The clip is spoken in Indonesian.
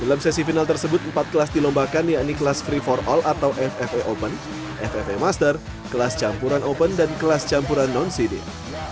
dalam sesi final tersebut empat kelas dilombakan yakni kelas free for all atau ffa open ffa master kelas campuran open dan kelas campuran non city